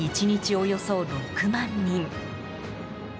およそ６万人。